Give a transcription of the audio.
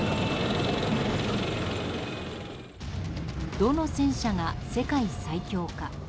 どの戦車が世界最強か。